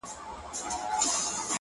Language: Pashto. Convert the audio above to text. اخلاص د باور دروازې پرانیزي